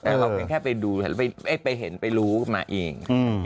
เอาแค่ไปดูไปเห็นไปรู้มาเอง